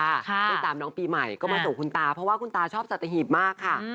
ติดตามน้องปีใหม่ก็มาส่งคุณตาเพราะว่าคุณตาชอบสัตหีบมากค่ะ